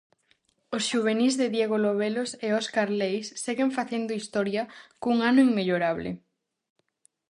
Os xuvenís de Diego Lobelos e Óscar Leis seguen facendo historia, cun ano inmellorable.